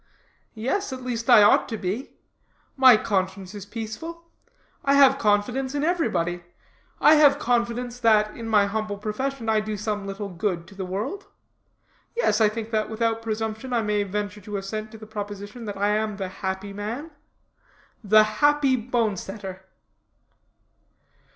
Yes, at least I ought to be. My conscience is peaceful. I have confidence in everybody. I have confidence that, in my humble profession, I do some little good to the world. Yes, I think that, without presumption, I may venture to assent to the proposition that I am the Happy Man the Happy Bone setter."